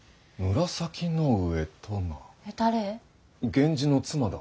源氏の妻だ。